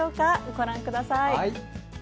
ご覧ください。